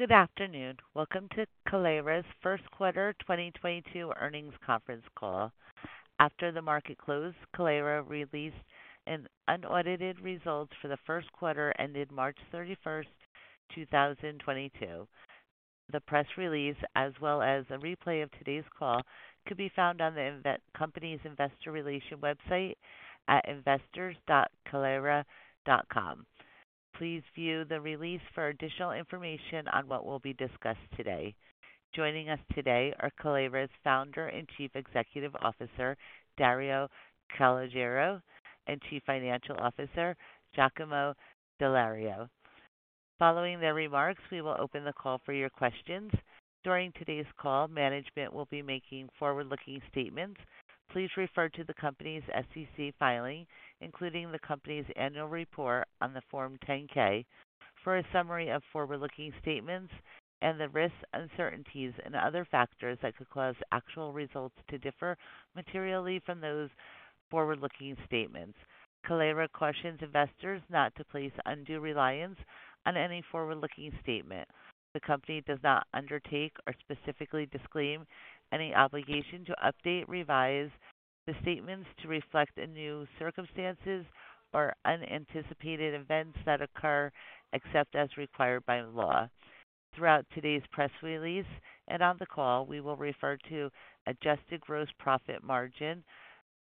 Good afternoon. Welcome to Kaleyra's First Quarter 2022 Earnings Conference Call. After the market close, Kaleyra released its unaudited results for the first quarter ended March 31st, 2022. The press release, as well as a replay of today's call could be found on the company's investor relations website at investors.kaleyra.com. Please view the release for additional information on what will be discussed today. Joining us today are Kaleyra's Founder and Chief Executive Officer, Dario Calogero, and Chief Financial Officer, Giacomo Dall'Aglio. Following their remarks, we will open the call for your questions. During today's call, management will be making forward-looking statements. Please refer to the company's SEC filing including the company's annual report on the form 10-K for a summary of forward-looking statements, and the risks, uncertainties, and other factors that could cause actual results to differ materially from those forward-looking statements. Kaleyra cautions investors not to place undue reliance on any forward-looking statement. The company does not undertake or specifically disclaim any obligation to update or revise these statements to reflect any new circumstances or unanticipated events that may occur except as required by law. Throughout today's press release and on the call, we will refer to adjusted gross profit margin,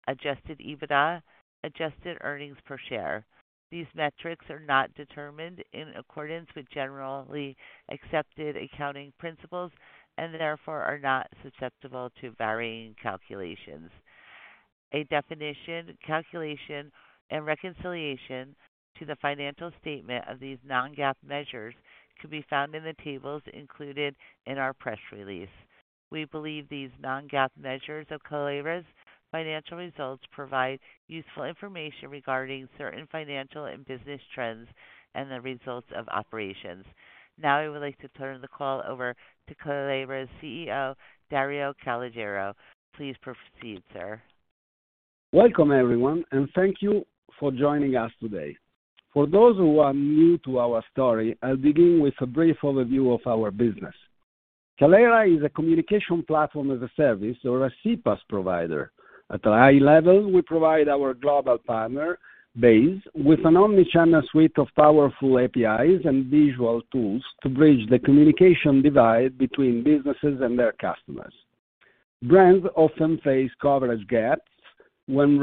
adjusted EBITDA, adjusted earnings per share. These metrics are not determined in accordance with generally accepted accounting principles and therefore are not subject to varying calculations. A definition, calculation, and reconciliation to the financial statements of these non-GAAP measures could be found in the tables included in our press release. We believe these non-GAAP measures of Kaleyra's financial results provide useful information regarding certain financial and business trends and the results of operations. Now I would like to turn the call over to Kaleyra's CEO, Dario Calogero. Please proceed, sir. Welcome, everyone, and thank you for joining us today. For those who are new to our story, I'll begin with a brief overview of our business. Kaleyra is a communication platform as a service or a CPaaS provider. At a high level, we provide our global partner base with an omnichannel suite of powerful APIs and visual tools to bridge the communication divide between businesses and their customers. Brands often face coverage gaps when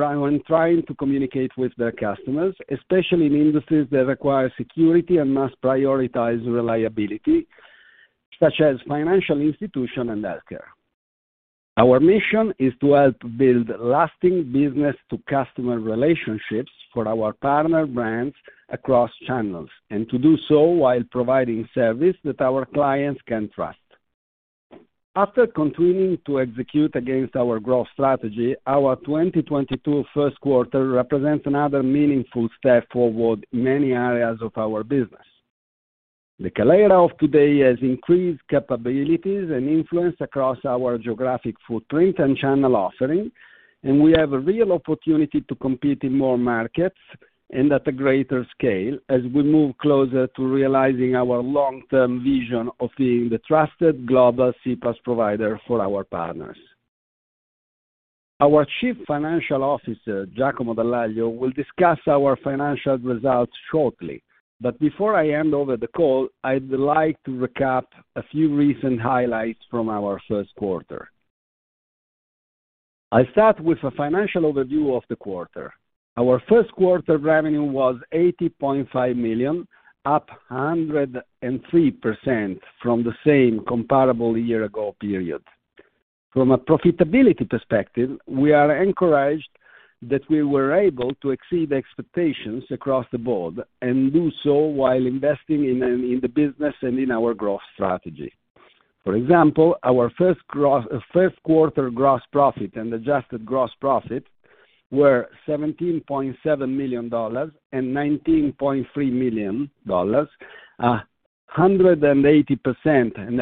trying to communicate with their customers especially in industries that require security and must prioritize reliability such as financial institution and healthcare. Our mission is to help build lasting business to customer relationships for our partner brands across channels and to do so while providing service that our clients can trust. After continuing to execute against our growth strategy, our 2022 first quarter represents another meaningful step forward in many areas of our business. The Kaleyra of today has increased capabilities and influence across our geographic footprint and channel offering, and we have a real opportunity to compete in more markets, and at a greater scale as we move closer to realizing our long-term vision of being the trusted global CPaaS provider for our partners. Our Chief Financial Officer, Giacomo Dall'Aglio, will discuss our financial results shortly. Before I hand over the call, I'd like to recap a few recent highlights from our first quarter. I'll start with a financial overview of the quarter. Our first quarter revenue was $80.5 million, up 103% from the same comparable year ago period. From a profitability perspective, we are encouraged that we were able to exceed expectations across the board and do so while investing in the business and in our growth strategy. For example, our first quarter gross profit and adjusted gross profit were $17.7 million and $19.3 million, 180% and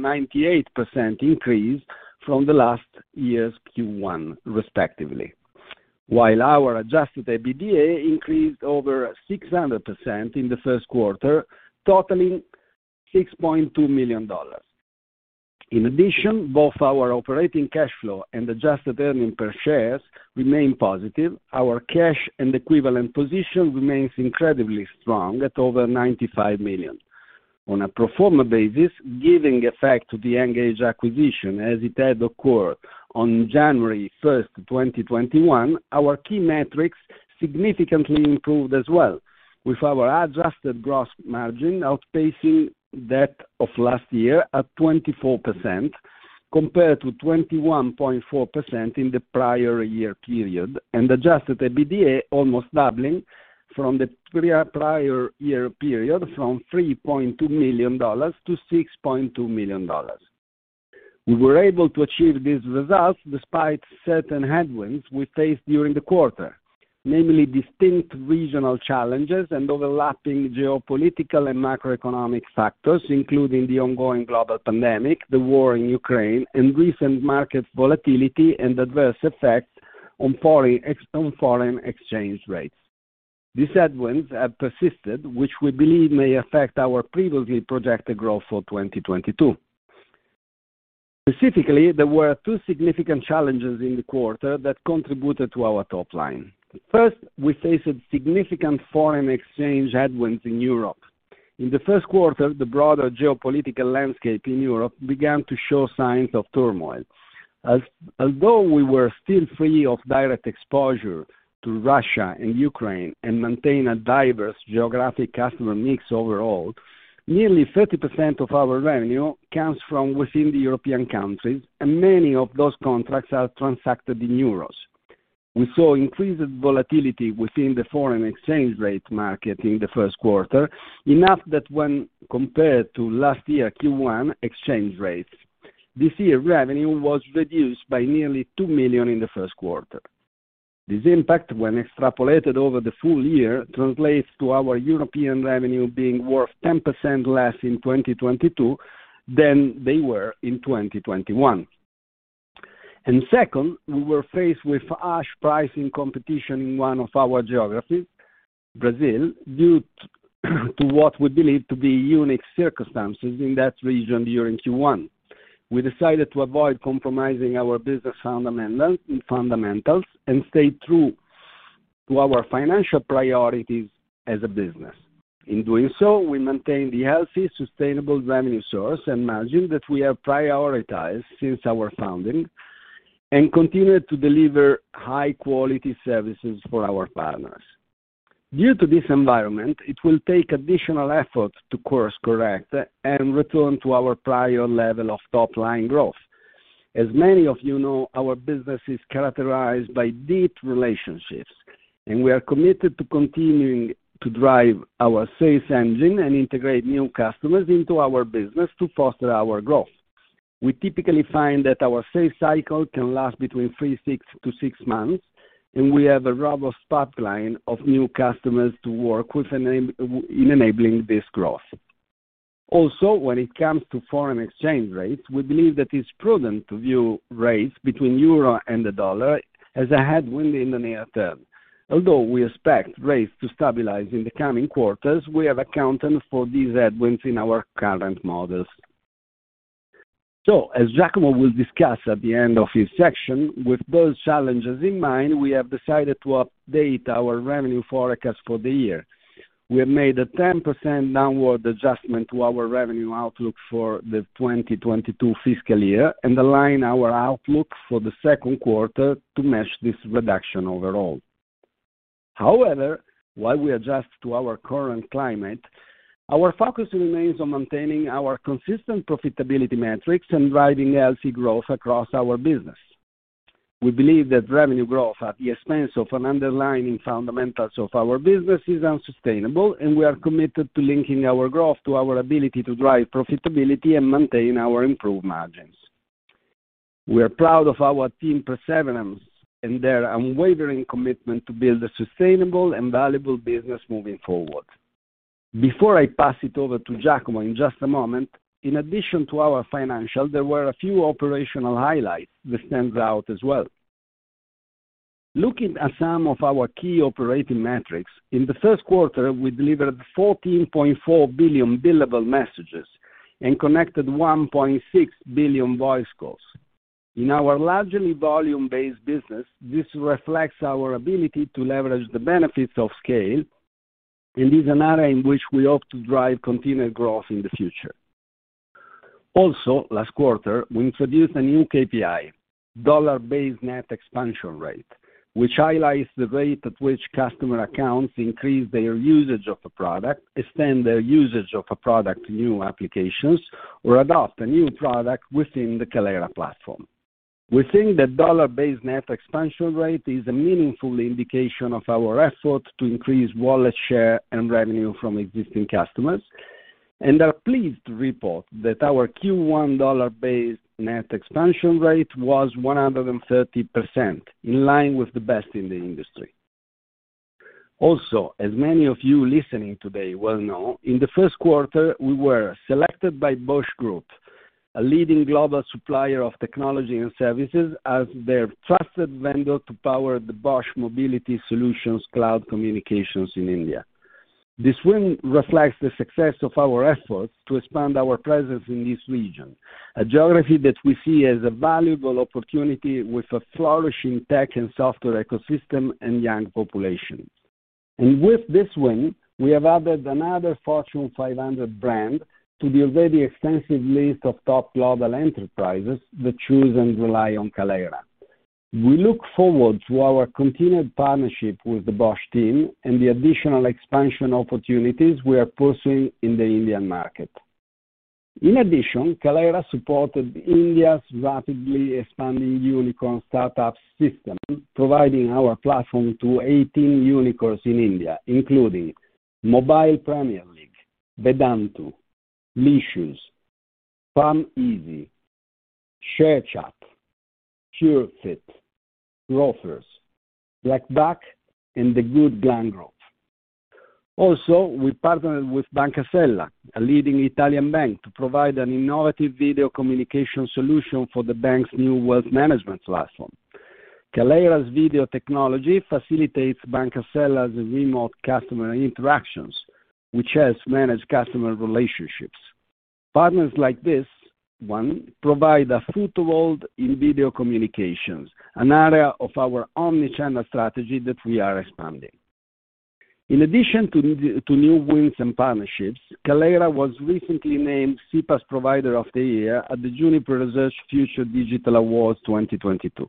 198% increase from last year's Q1, respectively, while our adjusted EBITDA increased over 600% in the first quarter totaling $6.2 million. In addition, both our operating cash flow and adjusted earnings per share remain positive. Our cash and equivalents position remains incredibly strong at over $95 million. On a pro forma basis, giving effect to the mGage acquisition as it had occurred on January 1st of 2021, our key metrics significantly improved as well with our adjusted gross margin outpacing that of last year at 24%, compared to 21.4% in the prior year period, and adjusted EBITDA almost doubling from the prior year period from $3.2 million to $6.2 million. We were able to achieve these results despite certain headwinds we faced during the quarter namely distinct regional challenges and overlapping geopolitical and macroeconomic factors, including the ongoing global pandemic, the war in Ukraine, and recent market volatility, and adverse effect on foreign exchange rates. These headwinds have persisted, which we believe may affect our previously projected growth for 2022. Specifically, there were two significant challenges in the quarter that contributed to our top line. First, we faced significant foreign exchange headwinds in Europe. In the first quarter, the broader geopolitical landscape in Europe began to show signs of turmoil. Although we were still free of direct exposure to Russia and Ukraine and maintain a diverse geographic customer mix overall, nearly 30% of our revenue comes from within the European countries, and many of those contracts are transacted in euros. We saw increased volatility within the foreign exchange rate market in the first quarter enough that when compared to last year Q1 exchange rates, this year revenue was reduced by nearly $2 million in the first quarter. This impact when extrapolated over the full-year, translates to our European revenue being worth 10% less in 2022 than they were in 2021. Second, we were faced with harsh pricing competition in one of our geographies, Brazil, due to what we believe to be unique circumstances in that region during Q1. We decided to avoid compromising our business fundamentals and stay true to our financial priorities as a business. In doing so, we maintain the healthy, sustainable revenue source and margin that we have prioritized since our founding and continue to deliver high-quality services for our partners. Due to this environment, it will take additional effort to course-correct and return to our prior level of top-line growth. As many of you know, our business is characterized by deep relationships, and we are committed to continuing to drive our sales engine, and integrate new customers into our business to foster our growth. We typically find that our sales cycle can last between three months to six months and we have a robust pipeline of new customers to work with in enabling this growth. Also, when it comes to foreign exchange rates, we believe that it's prudent to view rates between euro and the dollar as a headwind in the near term. Although we expect rates to stabilize in the coming quarters, we have accounted for these headwinds in our current models. As Giacomo will discuss at the end of his section, with those challenges in mind, we have decided to update our revenue forecast for the year. We have made a 10% downward adjustment to our revenue outlook for the 2022 fiscal year and align our outlook for the second quarter to match this reduction overall. However, while we adjust to our current climate, our focus remains on maintaining our consistent profitability metrics and driving healthy growth across our business. We believe that revenue growth at the expense of an underlying fundamentals of our business is unsustainable, and we are committed to linking our growth to our ability to drive profitability, and maintain our improved margins. We are proud of our team perseverance and their unwavering commitment to build a sustainable and valuable business moving forward. Before I pass it over to Giacomo in just a moment, in addition to our financials, there were a few operational highlights that stands out as well. Looking at some of our key operating metrics, in the first quarter, we delivered 14.4 billion billable messages and connected 1.6 billion voice calls. In our largely volume-based business, this reflects our ability to leverage the benefits of scale and is an area in which we hope to drive continued growth in the future. Also, last quarter, we introduced a new KPI, Dollar-Based Net Expansion Rate, which highlights the rate at which customer accounts increase their usage of a product, extend their usage of a product to new applications, or adopt a new product within the Kaleyra platform. We think that Dollar-Based Net Expansion Rate is a meaningful indication of our effort to increase wallet share and revenue from existing customers, and are pleased to report that our Q1 Dollar-Based Net Expansion Rate was 130%, in line with the best in the industry. Also, as many of you listening today well know, in the first quarter, we were selected by Bosch Group, a leading global supplier of technology and services, as their trusted vendor to power the Bosch Mobility Solutions cloud communications in India. This win reflects the success of our efforts to expand our presence in this region, a geography that we see as a valuable opportunity with a flourishing tech and software ecosystem and young population. With this win, we have added another Fortune 500 brand to the already extensive list of top global enterprises that choose and rely on Kaleyra. We look forward to our continued partnership with the Bosch team and the additional expansion opportunities we are pursuing in the Indian market. In addition, Kaleyra supported India's rapidly expanding unicorn startup system, providing our platform to 18 unicorns in India, including Mobile Premier League, Vedantu, Meesho, PharmEasy, ShareChat, Cure.Fit, Grofers, BlackBuck, and The Good Glamm Group. We partnered with Banca Sella, a leading Italian bank, to provide an innovative video communication solution for the bank's new wealth management platform. Kaleyra's video technology facilitates Banca Sella's remote customer interactions, which helps manage customer relationships. Partners like this one provide a foothold in video communications, an area of our omni-channel strategy that we are expanding. In addition to new wins and partnerships, Kaleyra was recently named CPaaS Provider of the Year at the Juniper Research Future Digital Awards 2022.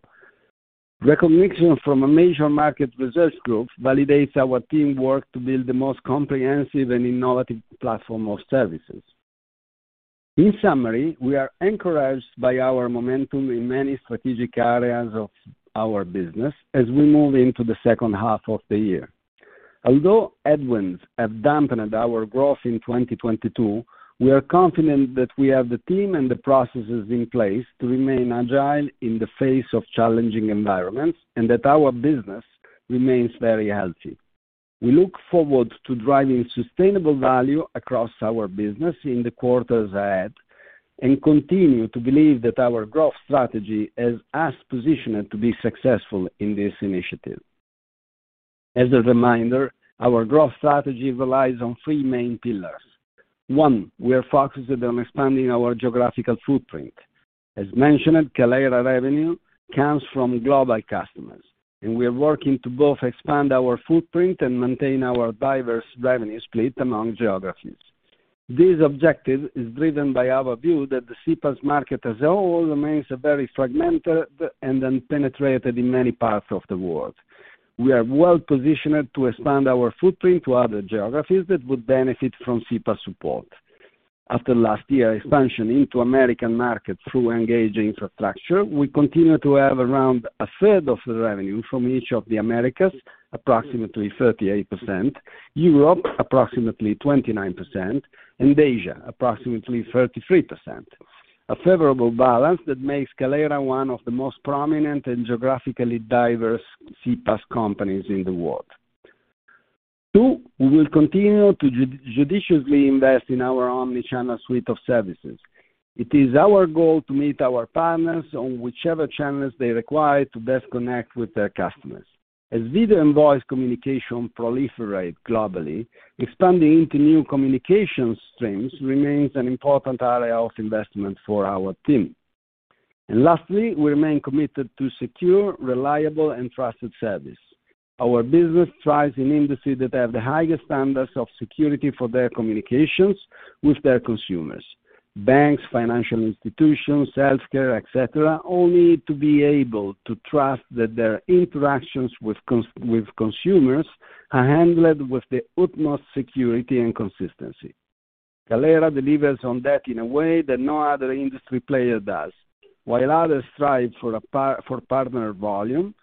Recognition from a major market research group validates our teamwork to build the most comprehensive and innovative platform of services. In summary, we are encouraged by our momentum in many strategic areas of our business as we move into the second half of the year. Although headwinds have dampened our growth in 2022, we are confident that we have the team and the processes in place to remain agile in the face of challenging environments, and that our business remains very healthy. We look forward to driving sustainable value across our business in the quarters ahead and continue to believe that our growth strategy has us positioned to be successful in this initiative. As a reminder, our growth strategy relies on three main pillars. One, we are focused on expanding our geographical footprint. As mentioned, Kaleyra revenue comes from global customers and we are working to both expand our footprint and maintain our diverse revenue split among geographies. This objective is driven by our view that the CPaaS market as a whole remains very fragmented and unpenetrated in many parts of the world. We are well-positioned to expand our footprint to other geographies that would benefit from CPaaS support. After last year's expansion into American market through mGage infrastructure, we continue to have around a third of the revenue from each of the Americas, approximately 38%, Europe approximately 29%, and Asia approximately 33%. A favorable balance that makes Kaleyra one of the most prominent and geographically diverse CPaaS companies in the world. Two, we will continue to judiciously invest in our omni-channel suite of services. It is our goal to meet our partners on whichever channels they require to best connect with their customers. As video and voice communication proliferate globally, expanding into new communication streams remains an important area of investment for our team. Lastly, we remain committed to secure, reliable and trusted service. Our business thrives in industries that have the highest standards of security for their communications with their consumers. Banks, financial institutions, healthcare, et cetera, all need to be able to trust that their interactions with consumers are handled with the utmost security and consistency. Kaleyra delivers on that in a way that no other industry player does. While others strive for partner volume,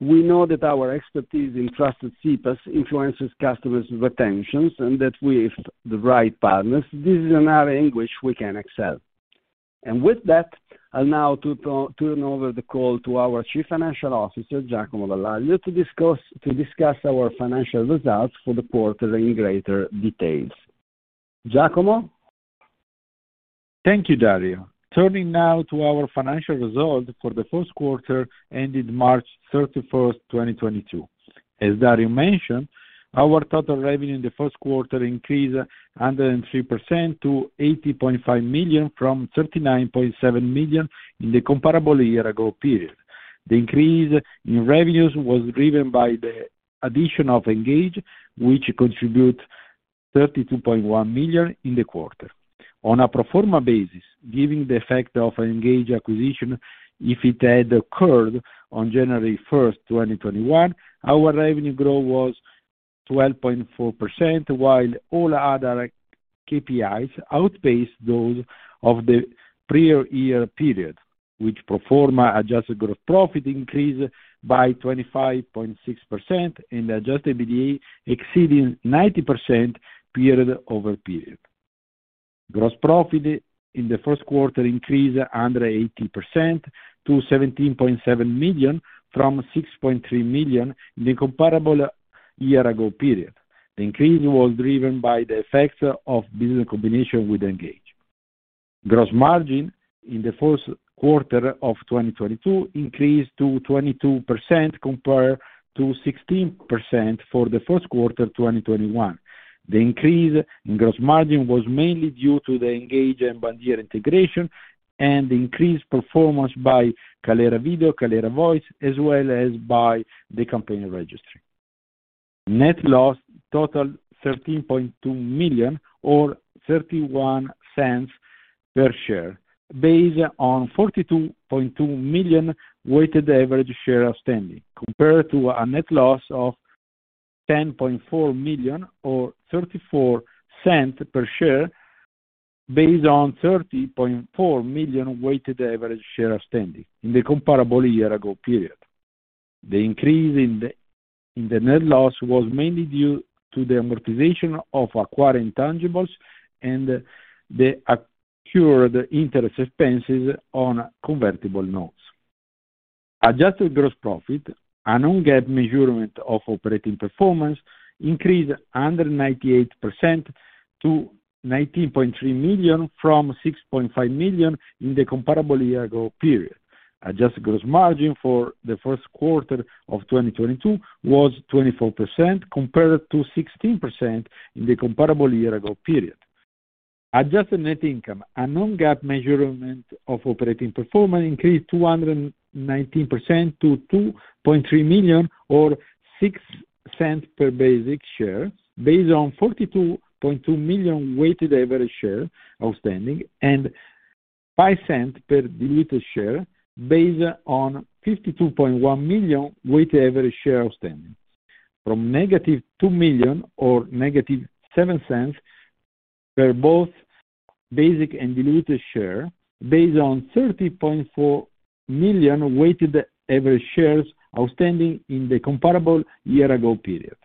we know that our expertise in trusted CPaaS influences customers' retentions, and that with the right partners, this is an area in which we can excel. With that, I'll now turn over the call to our Chief Financial Officer, Giacomo Dall'Aglio, to discuss our financial results for the quarter in greater details. Giacomo? Thank you, Dario. Turning now to our financial results for the first quarter ended March 31st, 2022. As Dario mentioned, our total revenue in the first quarter increased 103% to $80.5 million from $39.7 million in the comparable year ago period. The increase in revenues was driven by the addition of mGage, which contribute $32.1 million in the quarter. On a pro forma basis, giving the effect of mGage acquisition if it had occurred on January 1st, 2021, our revenue growth was 12.4% while all other KPIs outpaced those of the prior year period with pro forma adjusted gross profit increased by 25.6% and adjusted EBITDA exceeding 90% period-over-period. Gross profit in the first quarter increased 180% to $17.7 million from $6.3 million in the comparable year ago period. The increase was driven by the effects of business combination with mGage. Gross margin in the first quarter of 2022 increased to 22% compared to 16% for the first quarter 2021. The increase in gross margin was mainly due to the mGage and Bandyer integration and increased performance by Kaleyra Video, Kaleyra Voice, as well as by the Campaign Registry. Net loss totaled $13.2 million or $0.31 per share, based on 42.2 million weighted average shares outstanding compared to a net loss of $10.4 million or $0.34 per share based on 30.4 million weighted average shares outstanding in the comparable year ago period. The increase in the net loss was mainly due to the amortization of acquired intangibles and the accrued interest expenses on convertible notes. Adjusted gross profit, a non-GAAP measurement of operating performance increased 198% to $19.3 million from $6.5 million in the comparable year ago period. Adjusted gross margin for the first quarter of 2022 was 24% compared to 16% in the comparable year ago period. Adjusted net income, a non-GAAP measurement of operating performance increased 219% to $2.3 million or $0.06 per basic share based on 42.2 million weighted average share outstanding and $0.05 per diluted share based on 52.1 million weighted average share outstanding. From -$2 million or -$0.07 per both basic and diluted share based on 30.4 million weighted average shares outstanding in the comparable year ago period.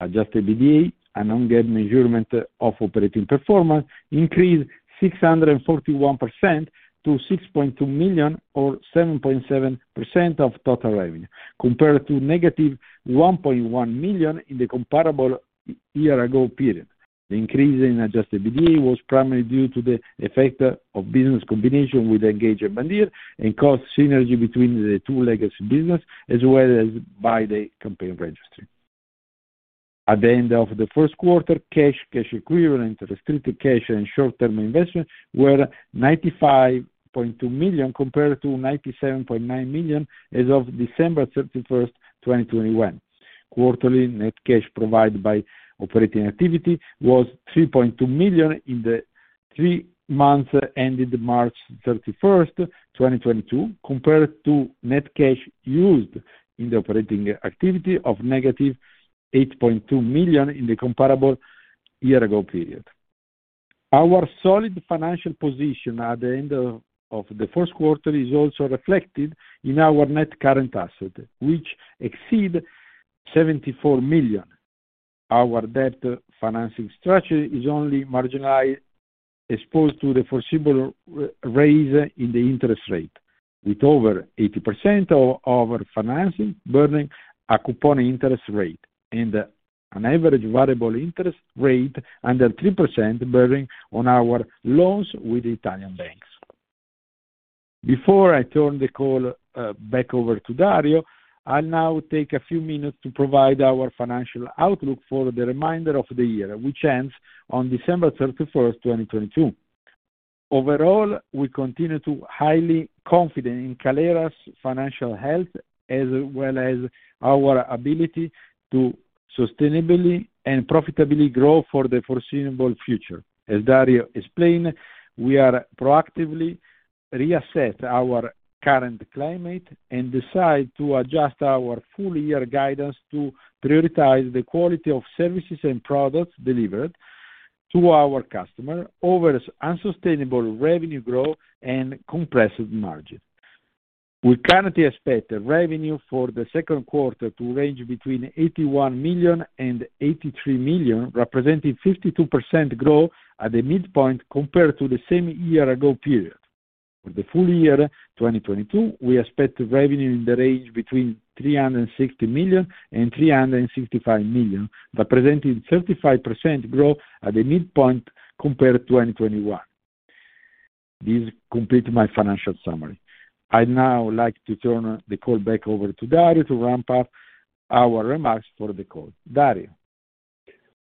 Adjusted EBITDA, a non-GAAP measurement of operating performance, increased 641% to $6.2 million or 7.7% of total revenue compared to -$1.1 million in the comparable year ago period. The increase in adjusted EBITDA was primarily due to the effect of business combination with mGage and Bandyer and cost synergy between the two legacy businesses as well as by the Campaign Registry. At the end of the first quarter, cash equivalents, restricted cash, And short-term investments were $95.2 million compared to $97.9 million as of December 31st, 2021. Quarterly net cash provided by operating activity was $3.2 million in the three months ended March 31st, 2022, compared to net cash used in the operating activity of -$8.2 million in the comparable year ago period. Our solid financial position at the end of the first quarter is also reflected in our net current asset, which exceeds $74 million. Our debt financing structure is only marginally exposed to the foreseeable raise in the interest rate. With over 80% of our financing bearing a coupon interest rate and an average variable interest rate under 3% bearing on our loans with Italian banks. Before I turn the call back over to Dario, I'll now take a few minutes to provide our financial outlook for the remainder of the year, which ends on December 31st, 2022. Overall, we continue to be highly confident in Kaleyra's financial health as well as our ability to sustainably and profitably grow for the foreseeable future. As Dario explained, we are proactively reassessing the current climate and have decided to adjust our full-year guidance to prioritize the quality of services and products delivered to our customers over unsustainable revenue growth and compressive margin. We currently expect the revenue for the second quarter to range between $81 million and $83 million representing 52% growth at the midpoint compared to the same year ago period. For the full-year 2022, we expect revenue in the range between $360 million and $365 million representing 35% growth at the midpoint compared to 2021. This completes my financial summary. I'd now like to turn the call back over to Dario to wrap up our remarks for the call. Dario.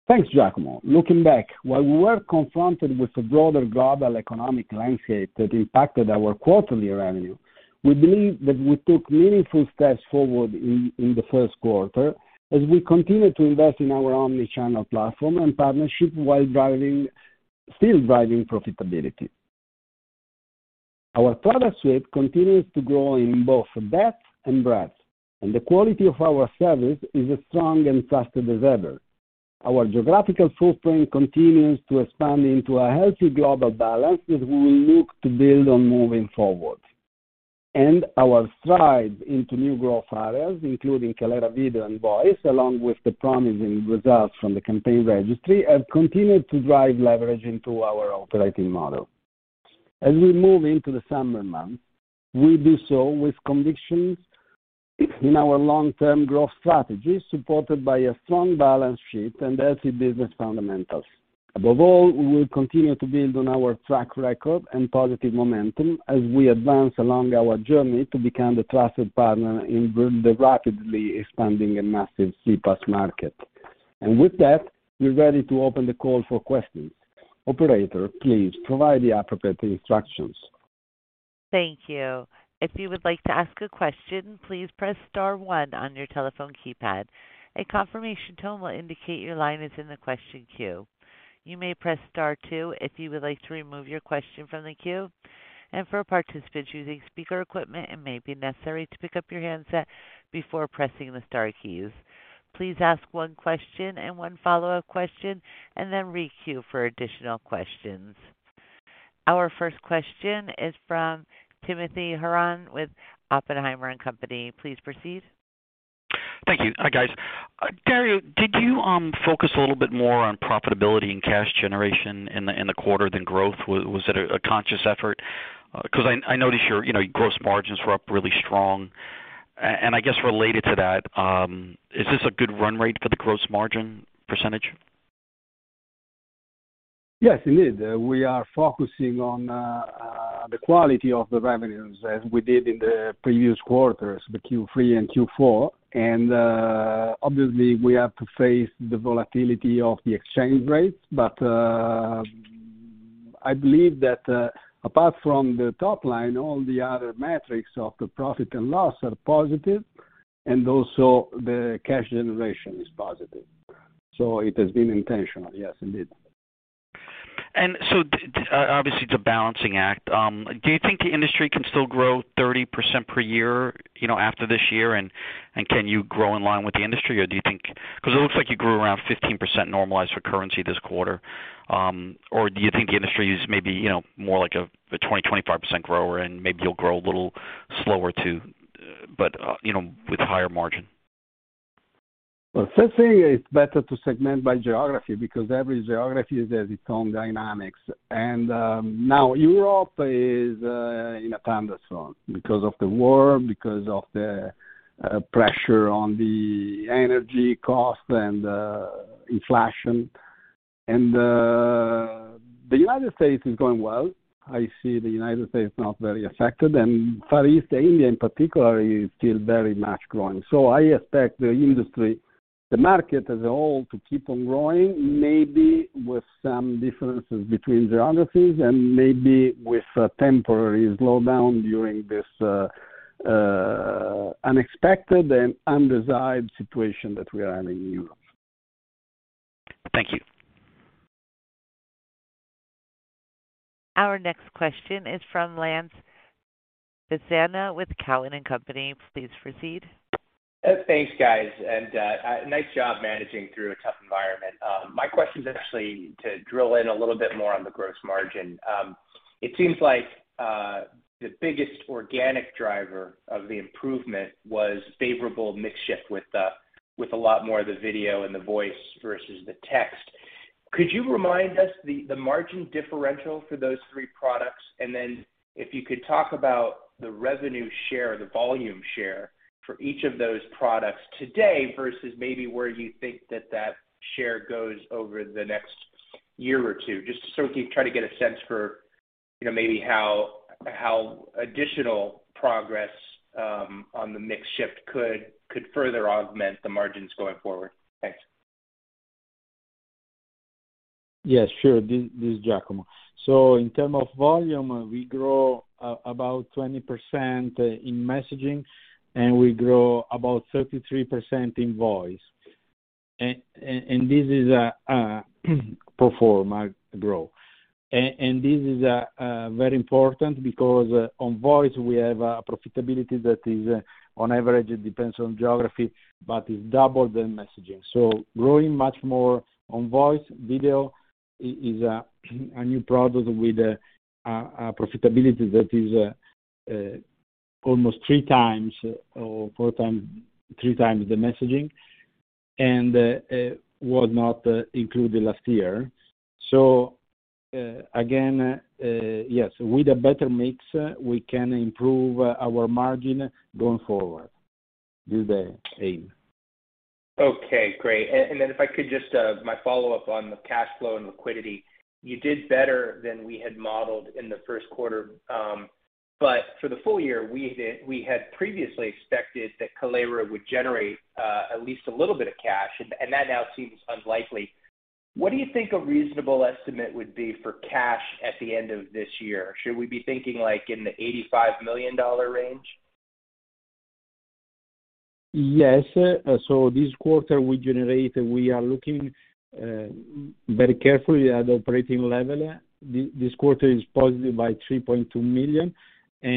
Thanks, Giacomo. Looking back, while we were confronted with a broader global economic landscape that impacted our quarterly revenue, we believe that we took meaningful steps forward in the first quarter as we continue to invest in our omni-channel platform and partnership while still driving profitability. Our product suite continues to grow in both depth and breadth, and the quality of our service is as strong and trusted as ever. Our geographical footprint continues to expand into a healthy global balance that we will look to build on moving forward. Our strides into new growth areas, including Kaleyra Video and Kaleyra Voice along with the promising results from the Campaign Registry, have continued to drive leverage into our operating model. As we move into the summer months, we do so with convictions in our long-term growth strategy supported by a strong balance sheet and healthy business fundamentals. Above all, we will continue to build on our track record and positive momentum as we advance along our journey to become the trusted partner in the rapidly expanding and massive CPaaS market. With that, we're ready to open the call for questions. Operator, please provide the appropriate instructions. Thank you. If you would like to ask a question, please press star one on your telephone keypad. A confirmation tone will indicate your line is in the question queue. You may press star two if you would like to remove your question from the queue. For participants using speaker equipment, it may be necessary to pick up your handset before pressing the star keys. Please ask one question and one follow-up question, and then re-queue for additional questions. Our first question is from Timothy Horan with Oppenheimer & Company. Please proceed. Thank you. Hi, guys. Dario, did you focus a little bit more on profitability and cash generation in the quarter than growth? Was it a conscious effort? Because I noticed your, you know, gross margins were up really strong. Related to that, is this a good run rate for the gross margin percentage? Yes, indeed. We are focusing on the quality of the revenues as we did in the previous quarters, the Q3 and Q4. Obviously, we have to face the volatility of the exchange rates. I believe that apart from the top line, all the other metrics of the profit and loss are positive, and also the cash generation is positive. It has been intentional, yes, indeed. Obviously, it's a balancing act. Do you think the industry can still grow 30% per year, you know, after this year? Can you grow in line with the industry? Or do you think beause it looks like you grew around 15% normalized for currency this quarter or do you think the industry is maybe, you know, more like a 20%-25% grower, and maybe you'll grow a little slower too, but, you know, with higher margin? Well, first thing, it's better to segment by geography because every geography has its own dynamics. Now Europe is in a thunderstorm because of the war, because of the pressure on the energy cost and inflation. The United States is going well. I see the United States not very affected, and Far East, India in particular, is still very much growing. I expect the industry, the market as a whole, to keep on growing, maybe with some differences between geographies and maybe with a temporary slowdown during this unexpected and undesired situation that we are having in Europe. Thank you. Our next question is from Lance Vitanza with Cowen and Company. Please proceed. Thanks, guys and nice job managing through a tough environment. My question is actually to drill in a little bit more on the gross margin. It seems like the biggest organic driver of the improvement was favorable mix shift with a lot more of the video and the voice versus the text. Could you remind us the margin differential for those three products? Then if you could talk about the revenue share or the volume share for each of those products today versus maybe where you think that share goes over the next year or two, just so we can try to get a sense for, you know, maybe how additional progress on the mix shift could further augment the margins going forward. Thanks. Yes, sure. This is Giacomo. In terms of volume, we grow about 20% in messaging and we grow about 33% in voice. This is a pro forma growth. This is very important because on voice we have a profitability that is, on average, it depends on geography, but it doubled in messaging, growing much more on voice. Video is a new product with a profitability that is almost 3x or 4x, 3x the messaging, and was not included last year. Again, yes, with a better mix, we can improve our margin going forward. This is the aim. Okay, great. Then if I could just, my follow-up on the cash flow, and liquidity. You did better than we had modeled in the first quarter, but for the full-year, we had previously expected that Kaleyra would generate at least a little bit of cash, and that now seems unlikely. What do you think a reasonable estimate would be for cash at the end of this year? Should we be thinking like in the $85 million range? Yes. This quarter we are looking very carefully at operating level. This quarter is positive by $3.2 million. As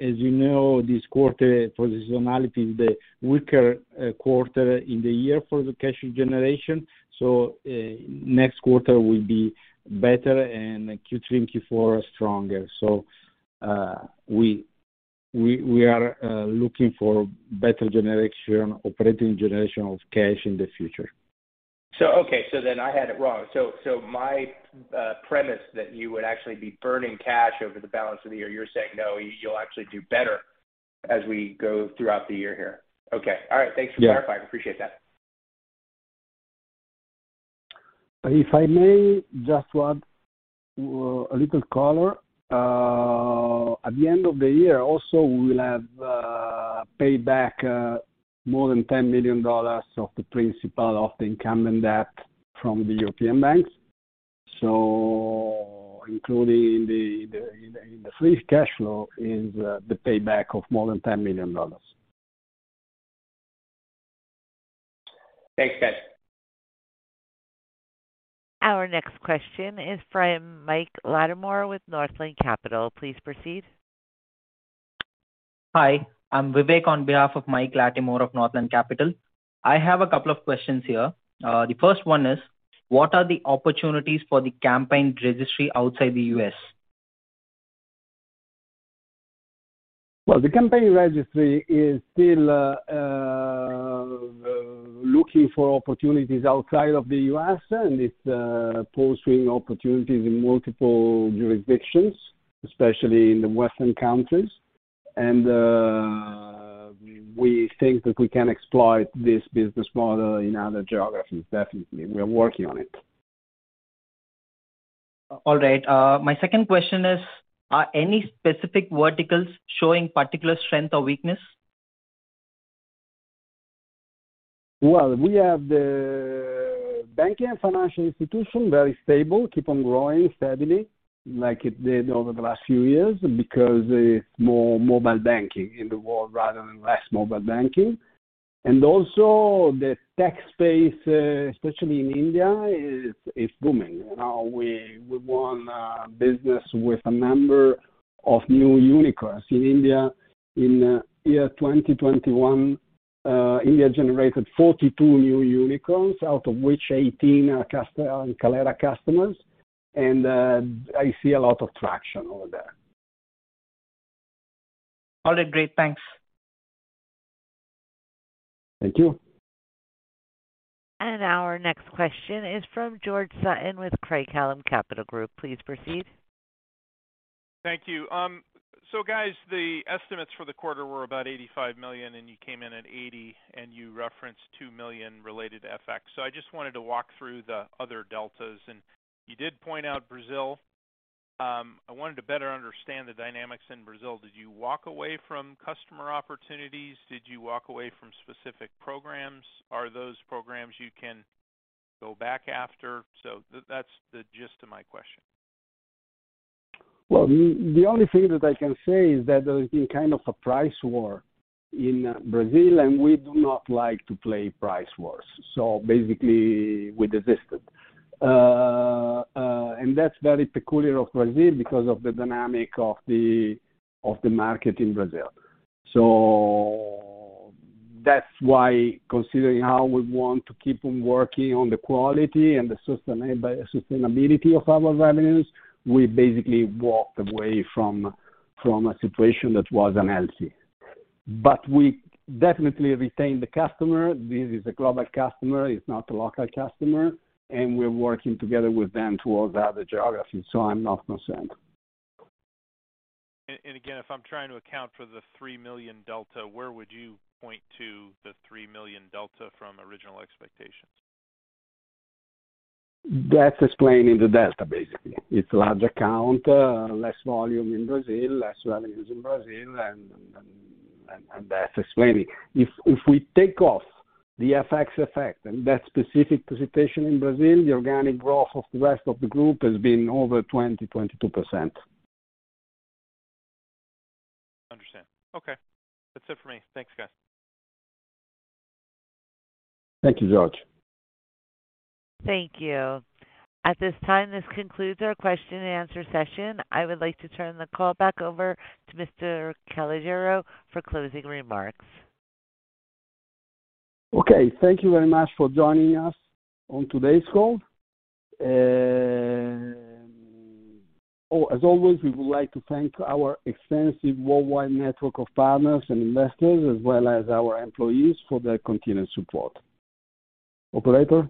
you know, this quarter for seasonality is the weaker quarter in the year for the cash generation. Next quarter will be better and Q3 and Q4 will be stronger. We are looking for better generation, operating generation of cash in the future. Okay so then I had it wrong. My premise that you would actually be burning cash over the balance of the year, you're saying, no, you'll actually do better as we go throughout the year here. Okay. All right. Yeah. Thanks for clarifying. I appreciate that. If I may just add a little color. At the end of the year also, we will have paid back more than $10 million of the principal of the incumbent debt from the European banks including the free cash flow in the payback of more than $10 million. Thanks, guys. Our next question is from Mike Latimore with Northland Capital Markets. Please proceed. Hi, I'm Vivek on behalf of Mike Latimore of Northland Capital Markets. I have a couple of questions here. The first one is, what are the opportunities for the Campaign Registry outside the U.S. Well, the Campaign Registry is still looking for opportunities outside of the U.S. and it's pursuing opportunities in multiple jurisdictions especially in the Western countries. We think that we can exploit this business model in other geographies, definitely. We are working on it. All right. My second question is, any specific verticals showing particular strength or weakness. Well, we have the banking and financial institution, very stable, keep on growing steadily like it did over the last few years because there's more mobile banking in the world rather than less mobile banking. Also, the tech space, especially in India, is booming. We won business with a number of new unicorns in India. In year 2021, India generated 42 new unicorns, out of which 18 are Kaleyra customers. I see a lot of traction over there. All right, great. Thanks. Thank you. Our next question is from George Sutton with Craig-Hallum Capital Group. Please proceed. Thank you. Guys, the estimates for the quarter were about $85 million, and you came in at $80 million, and you referenced $2 million related FX. I just wanted to walk through the other deltas. You did point out Brazil. I wanted to better understand the dynamics in Brazil. Did you walk away from customer opportunities? Did you walk away from specific programs? Are those programs you can go back after? That's the gist of my question. Well, the only thing that I can say is that there has been kind of a price war in Brazil and we do not like to play price wars. Basically, we desisted. And that's very peculiar of Brazil because of the dynamic of the market in Brazil. That's why considering how we want to keep on working on the quality and the sustainability of our revenues, we basically walked away from a situation that was unhealthy. We definitely retained the customer. This is a global customer. It's not a local customer, and we're working together with them towards other geographies, so I'm not concerned. Again, if I'm trying to account for the $3 million delta, where would you point to the $3 million delta from original expectations? That's explained in the delta, basically. It's large account, less volume in Brazil, less revenues in Brazil, and that's explained. If we take off the FX effect and that specific presentation in Brazil, the organic growth of the rest of the group has been over 20%-22%. Understand. Okay. That's it for me. Thanks, guys. Thank you, George. Thank you. At this time, this concludes our question and answer session. I would like to turn the call back over to Mr. Calogero for closing remarks. Okay. Thank you very much for joining us on today's call. As always, we would like to thank our extensive worldwide network of partners and investors as well as our employees for their continued support. Operator?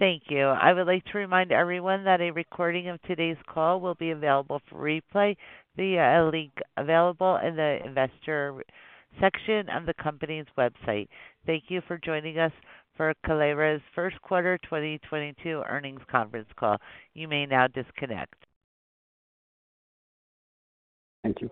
Thank you. I would like to remind everyone that a recording of today's call will be available for replay via a link available in the investor section on the company's website. Thank you for joining us for Kaleyra's First Quarter 2022 Earnings Conference Call. You may now disconnect. Thank you.